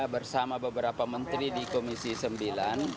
bersama beberapa menteri di komisi sembilan